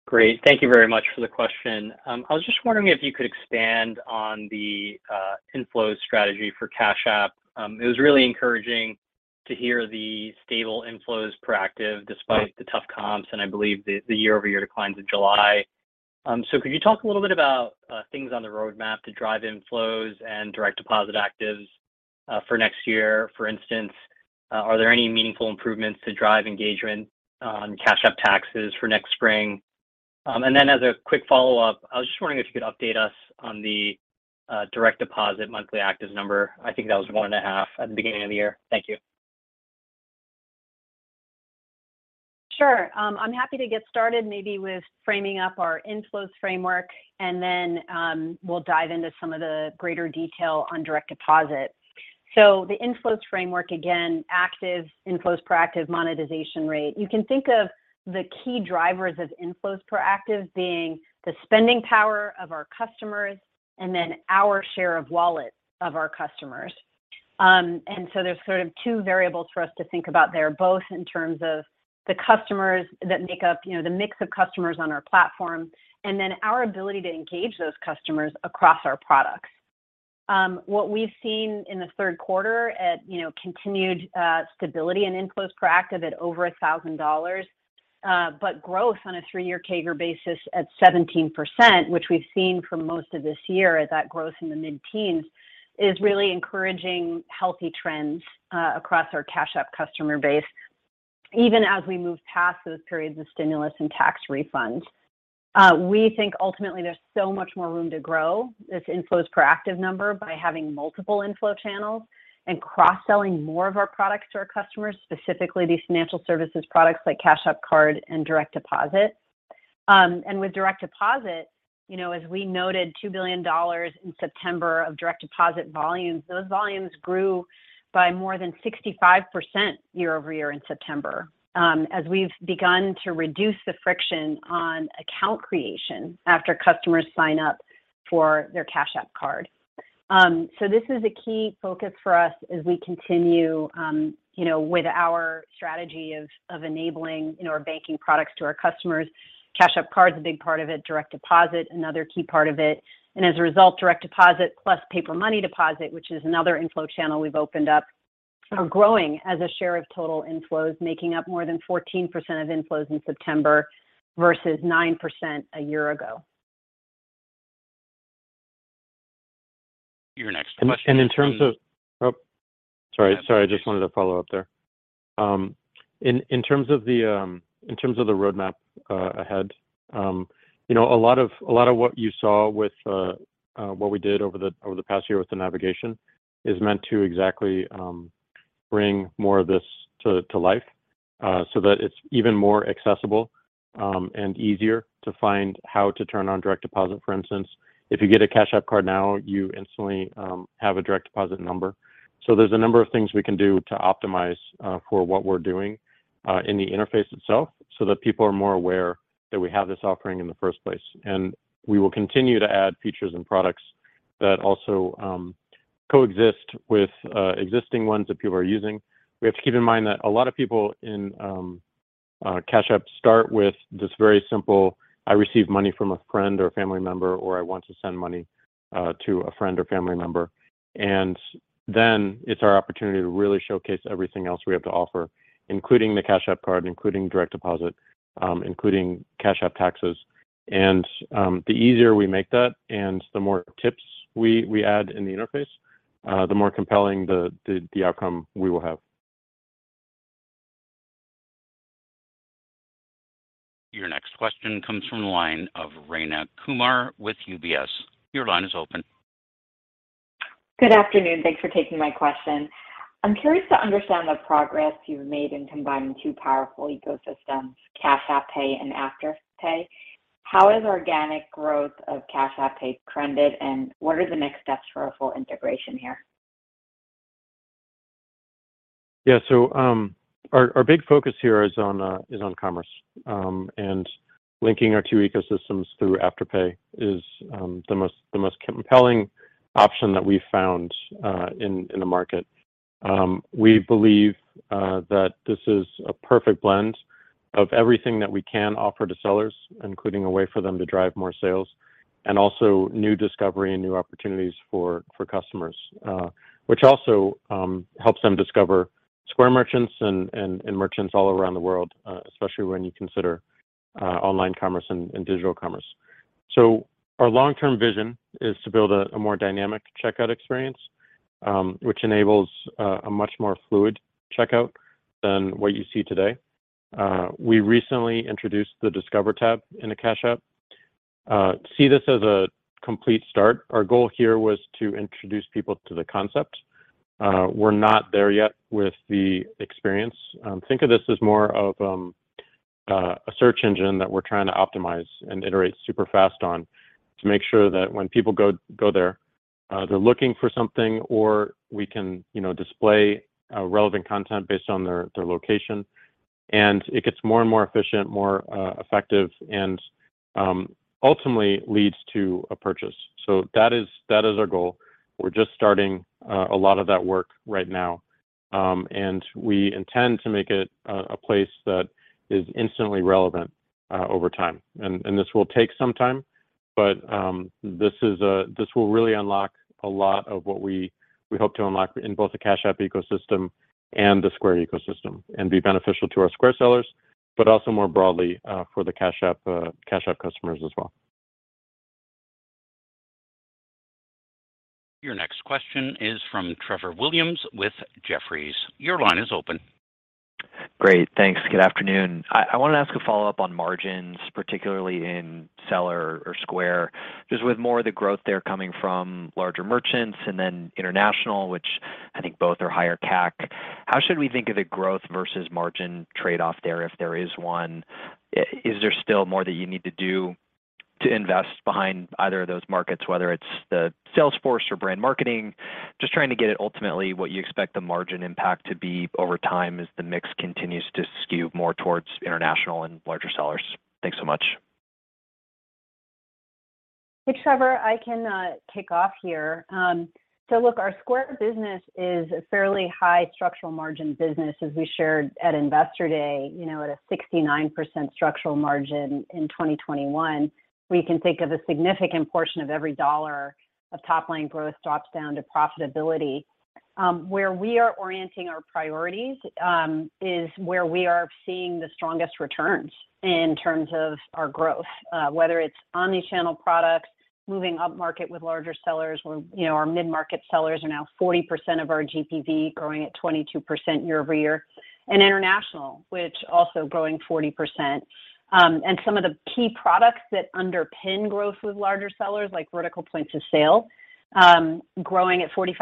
Great. Thank you very much for the question. I was just wondering if you could expand on the inflows strategy for Cash App. It was really encouraging to hear the stable inflows per active despite the tough comps, and I believe the year-over-year declines in July. Could you talk a little bit about things on the roadmap to drive inflows and Direct Deposit actives for next year? For instance, are there any meaningful improvements to drive engagement, Cash App Taxes for next spring? Then as a quick follow-up, I was just wondering if you could update us on the Direct Deposit monthly active number. I think that was 1.5 at the beginning of the year. Thank you. Sure. I'm happy to get started maybe with framing up our inflows framework, and then we'll dive into some of the greater detail on Direct Deposit. The inflows framework, again, active inflows per active monetization rate. You can think of the key drivers of inflows per active being the spending power of our customers and then our share of wallet of our customers. There's sort of two variables for us to think about there, both in terms of the customers that make up, you know, the mix of customers on our platform, and then our ability to engage those customers across our products. What we've seen in the third quarter, you know, continued stability and inflows per active at over $1,000, but growth on a 3-year CAGR basis at 17%, which we've seen for most of this year at that growth in the mid-teens, is really encouraging healthy trends across our Cash App customer base, even as we move past those periods of stimulus and tax refunds. We think ultimately there's so much more room to grow this inflows per active number by having multiple inflow channels and cross-selling more of our products to our customers, specifically these financial services products like Cash App Card and Direct Deposit. With direct deposit, you know, as we noted $2 billion in September of direct deposit volumes, those volumes grew by more than 65% year-over-year in September, as we've begun to reduce the friction on account creation after customers sign up for their Cash App Card. This is a key focus for us as we continue, you know, with our strategy of enabling, you know, our banking products to our customers. Cash App Card is a big part of it, direct deposit another key part of it. As a result, direct deposit plus Paper Money deposit, which is another inflow channel we've opened up, are growing as a share of total inflows, making up more than 14% of inflows in September versus 9% a year ago. Your next question. I just wanted to follow up there. In terms of the roadmap ahead, you know, a lot of what you saw with what we did over the past year with the navigation is meant to exactly bring more of this to life so that it's even more accessible and easier to find how to turn on Direct Deposit, for instance. If you get a Cash App Card now, you instantly have a Direct Deposit number. There's a number of things we can do to optimize for what we're doing in the interface itself so that people are more aware that we have this offering in the first place. We will continue to add features and products that also coexist with existing ones that people are using. We have to keep in mind that a lot of people in Cash App start with this very simple, I receive money from a friend or a family member, or I want to send money to a friend or family member. It's our opportunity to really showcase everything else we have to offer, including the Cash App Card, including Direct Deposit, including Cash App Taxes. The easier we make that and the more tips we add in the interface, the more compelling the outcome we will have. Your next question comes from the line of Rayna Kumar with UBS. Your line is open. Good afternoon. Thanks for taking my question. I'm curious to understand the progress you've made in combining two powerful ecosystems, Cash App Pay and Afterpay. How has organic growth of Cash App Pay trended, and what are the next steps for a full integration here? Yeah. Our big focus here is on commerce. Linking our two ecosystems through Afterpay is the most compelling option that we've found in the market. We believe that this is a perfect blend of everything that we can offer to sellers, including a way for them to drive more sales, and also new discovery and new opportunities for customers, which also helps them discover Square merchants and merchants all around the world, especially when you consider online commerce and digital commerce. Our long-term vision is to build a more dynamic checkout experience, which enables a much more fluid checkout than what you see today. We recently introduced the Discover tab in the Cash App. See this as a complete start. Our goal here was to introduce people to the concept. We're not there yet with the experience. Think of this as more of a search engine that we're trying to optimize and iterate super fast on to make sure that when people go there, they're looking for something or we can, you know, display relevant content based on their location. It gets more and more efficient, more effective and ultimately leads to a purchase. That is our goal. We're just starting a lot of that work right now. We intend to make it a place that is instantly relevant over time. This will take some time, but this will really unlock a lot of what we hope to unlock in both the Cash App ecosystem and the Square ecosystem, and be beneficial to our Square sellers, but also more broadly, for the Cash App customers as well. Your next question is from Trevor Williams with Jefferies. Your line is open. Great. Thanks. Good afternoon. I wanna ask a follow-up on margins, particularly in Seller or Square. Just with more of the growth there coming from larger merchants and then international, which I think both are higher CAC, how should we think of the growth versus margin trade-off there, if there is one? Is there still more that you need to do to invest behind either of those markets, whether it's the sales force or brand marketing? Just trying to get at, ultimately, what you expect the margin impact to be over time as the mix continues to skew more towards international and larger sellers. Thanks so much. Hey, Trevor. I can kick off here. Look, our Square business is a fairly high structural margin business, as we shared at Investor Day, you know, at a 69% structural margin in 2021. We can think of a significant portion of every dollar of top-line growth drops down to profitability. Where we are orienting our priorities is where we are seeing the strongest returns in terms of our growth, whether it's omni-channel products, moving up market with larger sellers where, you know, our mid-market sellers are now 40% of our GPV growing at 22% year-over-year, and international, which also growing 40%. Some of the key products that underpin growth with larger sellers, like vertical points of sale, growing at 45%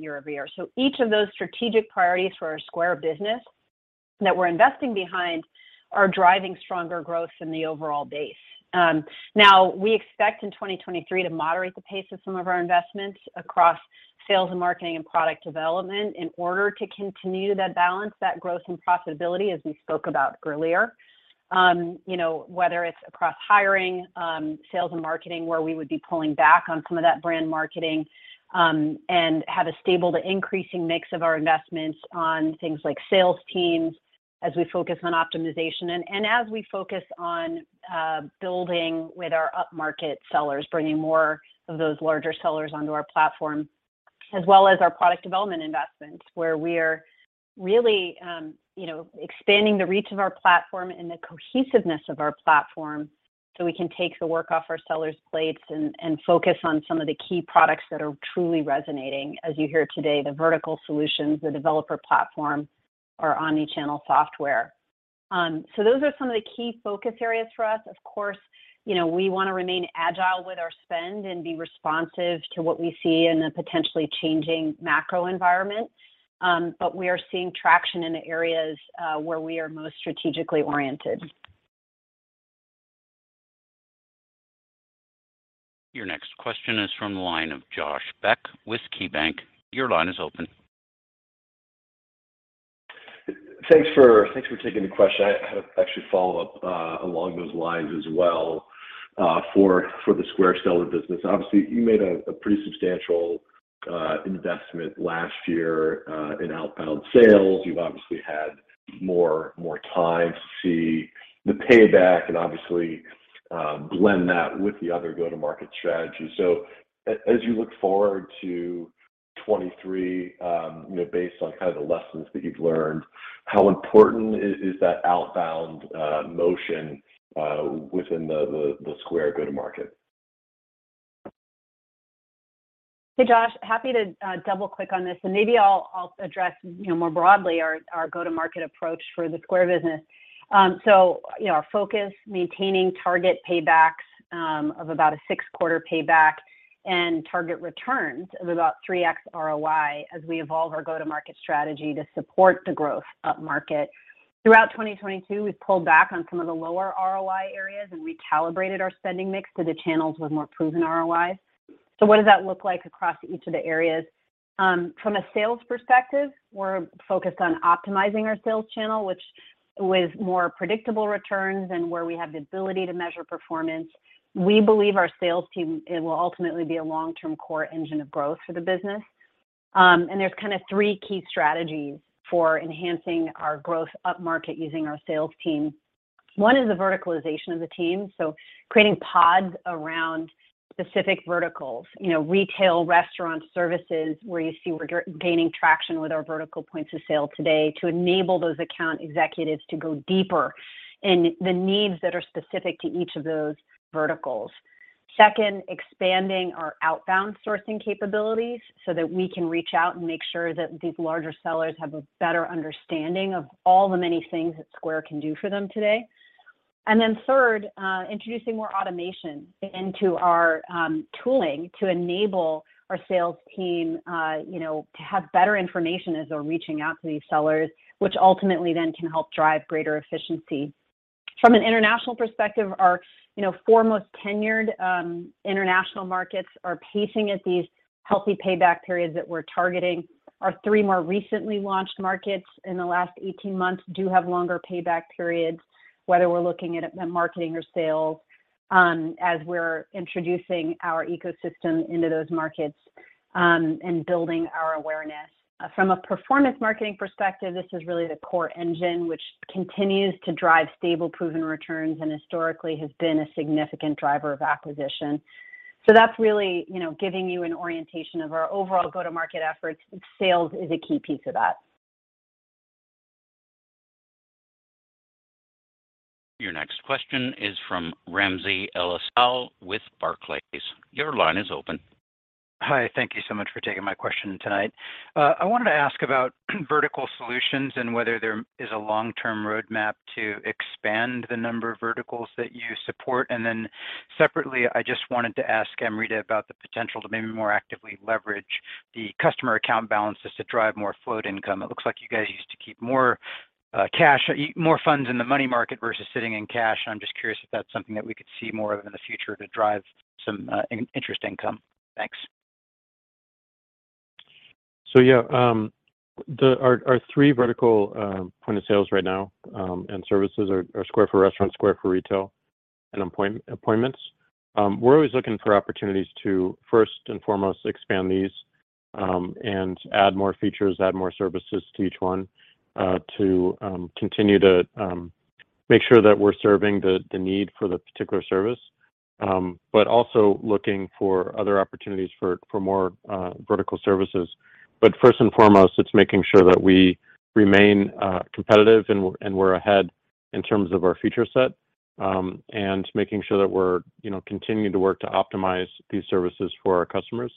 year-over-year. Each of those strategic priorities for our Square business that we're investing behind are driving stronger growth in the overall base. Now we expect in 2023 to moderate the pace of some of our investments across sales and marketing and product development in order to continue to balance that growth and profitability as we spoke about earlier. You know, whether it's across hiring, sales and marketing, where we would be pulling back on some of that brand marketing, and have a stable to increasing mix of our investments on things like sales teams as we focus on optimization and as we focus on building with our up-market sellers, bringing more of those larger sellers onto our platform, as well as our product development investments, where we're really, you know, expanding the reach of our platform and the cohesiveness of our platform so we can take the work off our sellers' plates and focus on some of the key products that are truly resonating, as you hear today, the vertical solutions, the developer platform, our omni-channel software. Those are some of the key focus areas for us. Of course, you know, we wanna remain agile with our spend and be responsive to what we see in a potentially changing macro environment. We are seeing traction in the areas where we are most strategically oriented. Your next question is from the line of Josh Beck with KeyBanc. Your line is open. Thanks for taking the question. I have actually a follow-up along those lines as well. For the Square seller business, obviously, you made a pretty substantial investment last year in outbound sales. You've obviously had more time to see the payback and obviously blend that with the other go-to-market strategy. As you look forward to 2023, you know, based on kind of the lessons that you've learned, how important is that outbound motion within the Square go-to-market? Hey, Josh. Happy to double-click on this, and maybe I'll address, you know, more broadly our go-to-market approach for the Square business. You know, our focus maintaining target paybacks of about a 6-quarter payback and target returns of about 3x ROI as we evolve our go-to-market strategy to support the growth up-market. Throughout 2022, we've pulled back on some of the lower ROI areas and recalibrated our spending mix to the channels with more proven ROIs. What does that look like across each of the areas? From a sales perspective, we're focused on optimizing our sales channel, which with more predictable returns and where we have the ability to measure performance. We believe our sales team, it will ultimately be a long-term core engine of growth for the business. There's kinda three key strategies for enhancing our growth up-market using our sales team. One is the verticalization of the team, so creating pods around specific verticals, you know, retail, restaurant services, where you see we're gaining traction with our vertical points of sale today to enable those account executives to go deeper in the needs that are specific to each of those verticals. Second, expanding our outbound sourcing capabilities so that we can reach out and make sure that these larger sellers have a better understanding of all the many things that Square can do for them today. Then third, introducing more automation into our tooling to enable our sales team, you know, to have better information as they're reaching out to these sellers, which ultimately then can help drive greater efficiency. From an international perspective, our you know four most tenured international markets are pacing at these healthy payback periods that we're targeting. Our three more recently launched markets in the last 18 months do have longer payback periods, whether we're looking at marketing or sales, as we're introducing our ecosystem into those markets and building our awareness. From a performance marketing perspective, this is really the core engine which continues to drive stable, proven returns and historically has been a significant driver of acquisition. That's really you know giving you an orientation of our overall go-to-market efforts, and sales is a key piece of that. Your next question is from Ramsey El-Assal with Barclays. Your line is open. Hi. Thank you so much for taking my question tonight. I wanted to ask about vertical solutions and whether there is a long-term roadmap to expand the number of verticals that you support. Separately, I just wanted to ask Amrita about the potential to maybe more actively leverage the customer account balances to drive more float income. It looks like you guys used to keep more funds in the money market versus sitting in cash. I'm just curious if that's something that we could see more of in the future to drive some interest income. Thanks. Our three verticals, point-of-sale services right now, are Square for Restaurants, Square for Retail, and Square Appointments. We're always looking for opportunities to first and foremost expand these and add more features, add more services to each one to continue to make sure that we're serving the need for the particular service, but also looking for other opportunities for more vertical services. First and foremost, it's making sure that we remain competitive and we're ahead in terms of our feature set and making sure that we're, you know, continuing to work to optimize these services for our customers.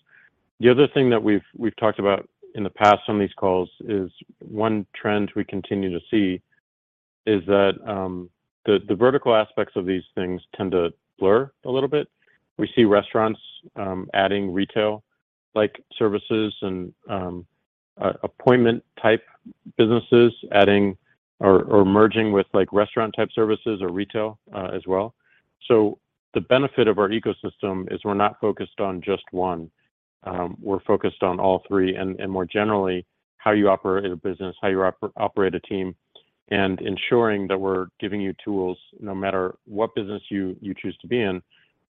The other thing that we've talked about in the past on these calls is one trend we continue to see is that the vertical aspects of these things tend to blur a little bit. We see restaurants adding retail-like services and appointment-type businesses adding or merging with like restaurant-type services or retail as well. The benefit of our ecosystem is we're not focused on just one. We're focused on all three and more generally, how you operate a business, how you operate a team, and ensuring that we're giving you tools no matter what business you choose to be in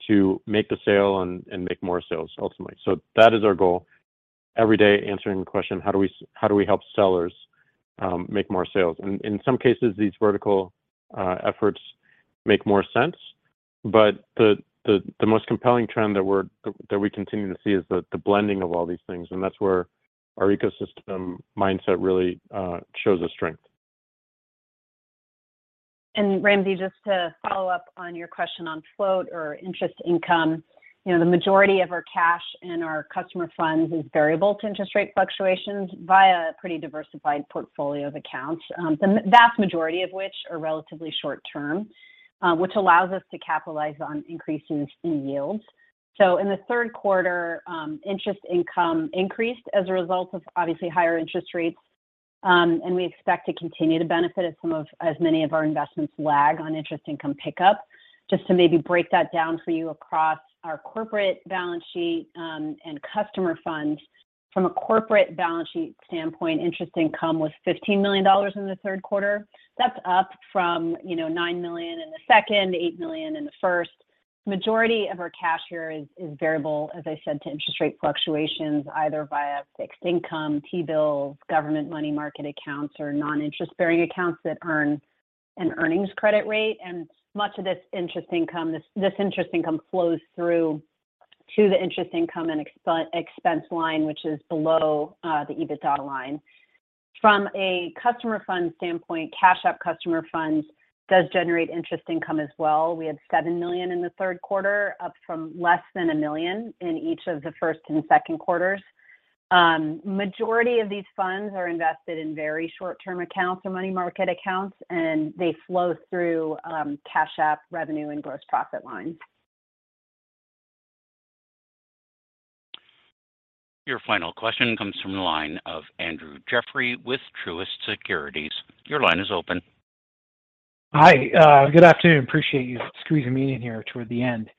to make the sale and make more sales ultimately. That is our goal every day answering the question, how do we help sellers make more sales? In some cases, these vertical efforts make more sense, but the most compelling trend that we continue to see is the blending of all these things, and that's where our ecosystem mindset really shows us strength. Ramsey, just to follow up on your question on float or interest income, you know, the majority of our cash and our customer funds is variable to interest rate fluctuations via a pretty diversified portfolio of accounts. The vast majority of which are relatively short term, which allows us to capitalize on increasing fee yields. In the third quarter, interest income increased as a result of obviously higher interest rates, and we expect to continue to benefit as many of our investments lag on interest income pickup. Just to maybe break that down for you across our corporate balance sheet and customer funds. From a corporate balance sheet standpoint, interest income was $15 million in the third quarter. That's up from, you know, $9 million in the second, $8 million in the first. Majority of our cash here is variable, as I said, to interest rate fluctuations, either via fixed income, T-bills, government money market accounts, or non-interest-bearing accounts that earn an earnings credit rate. Much of this interest income flows through to the interest income and expense line, which is below the EBITDA line. From a customer fund standpoint, Cash App customer funds does generate interest income as well. We had $7 million in the third quarter, up from less than $1 million in each of the first and second quarters. Majority of these funds are invested in very short-term accounts or money market accounts, and they flow through Cash App revenue and gross profit lines. Your final question comes from the line of Andrew Jeffrey with Truist Securities. Your line is open. Hi. Good afternoon. Appreciate you squeezing me in here toward the end.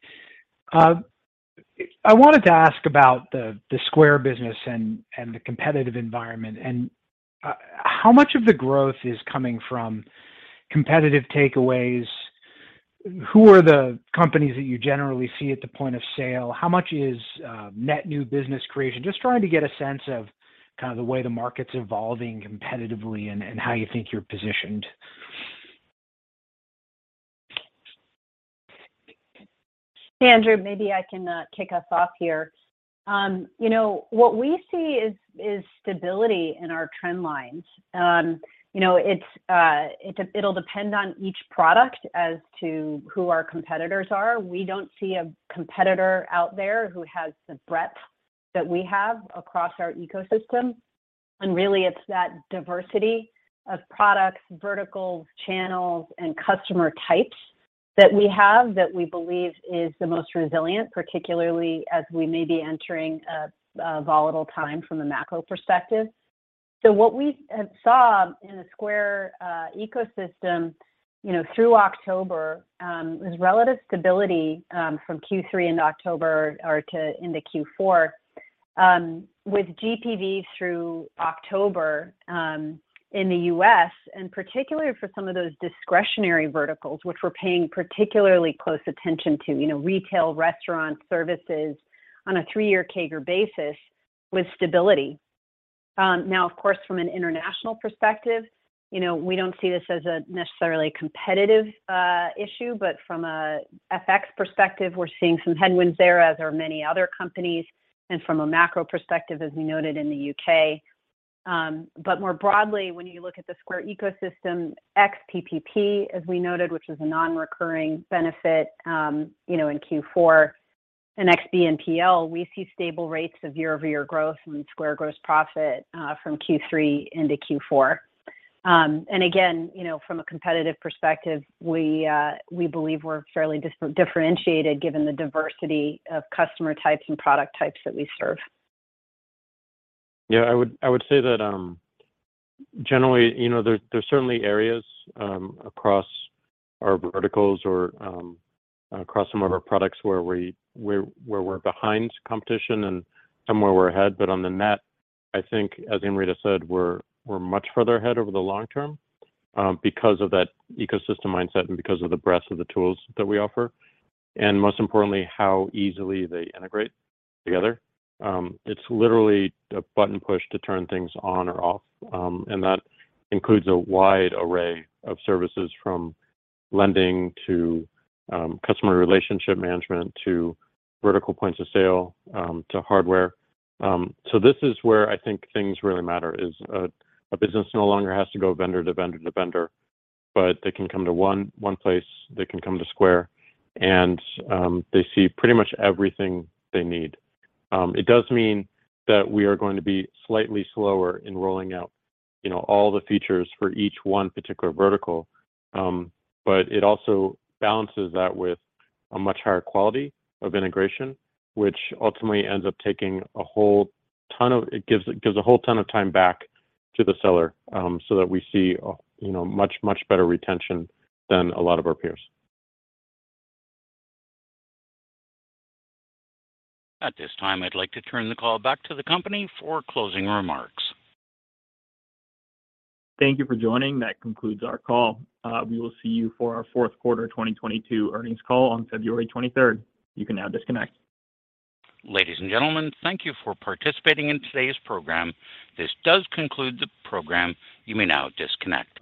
I wanted to ask about the Square business and the competitive environment, and how much of the growth is coming from competitive takeaways? Who are the companies that you generally see at the point of sale? How much is net new business creation? Just trying to get a sense of kind of the way the market's evolving competitively and how you think you're positioned. Andrew, maybe I can kick us off here. You know, what we see is stability in our trend lines. You know, it'll depend on each product as to who our competitors are. We don't see a competitor out there who has the breadth that we have across our ecosystem. Really it's that diversity of products, verticals, channels, and customer types that we have that we believe is the most resilient, particularly as we may be entering a volatile time from a macro perspective. What we have saw in the Square ecosystem, you know, through October is relative stability from Q3 into October or into Q4 with GPV through October in the U.S. and particularly for some of those discretionary verticals, which we're paying particularly close attention to, you know, retail, restaurant, services on a three-year CAGR basis with stability. Now of course, from an international perspective, you know, we don't see this as a necessarily competitive issue, but from a FX perspective, we're seeing some headwinds there as are many other companies, and from a macro perspective, as we noted in the U.K.. More broadly, when you look at the Square ecosystem, ex PPP, as we noted, which is a non-recurring benefit, you know, in Q4 ex BNPL, we see stable rates of year-over-year growth and Square gross profit from Q3 into Q4. Again, you know, from a competitive perspective, we believe we're fairly differentiated given the diversity of customer types and product types that we serve. Yeah, I would say that generally, you know, there's certainly areas across our verticals or across some of our products where we're behind competition and some where we're ahead. On the net, I think as Amrita said, we're much further ahead over the long term because of that ecosystem mindset and because of the breadth of the tools that we offer, and most importantly, how easily they integrate together. It's literally a button push to turn things on or off. And that includes a wide array of services from lending to customer relationship management, to vertical points of sale, to hardware. This is where I think things really matter, a business no longer has to go vendor to vendor to vendor, but they can come to one place, they can come to Square and they see pretty much everything they need. It does mean that we are going to be slightly slower in rolling out, you know, all the features for each one particular vertical. It also balances that with a much higher quality of integration, which ultimately ends up giving a whole ton of time back to the seller, so that we see, you know, much better retention than a lot of our peers. At this time, I'd like to turn the call back to the company for closing remarks. Thank you for joining. That concludes our call. We will see you for our fourth quarter 2022 earnings call on February 23. You can now disconnect. Ladies and gentlemen, thank you for participating in today's program. This does conclude the program. You may now disconnect.